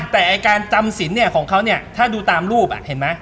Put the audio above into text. แต่การจำสินของเขาถ้าดูตามรูปเห็นไหม